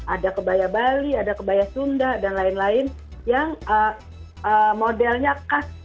ada kebaya bali ada kebaya sunda dan lain lain yang modelnya khas